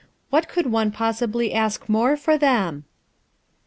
What could one pos sibly ask more for them?"